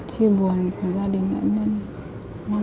chỉ buồn của gia đình nạn nhân